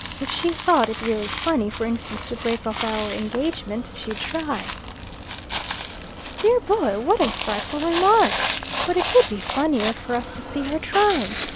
If she thought it really funny, for instance, to break off our engagement, she'd try." "Dear boy, what a frightful remark! But it would be funnier for us to see her trying.